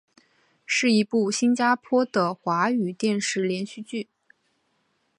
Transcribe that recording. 是一部新加坡的的华语电视连续剧。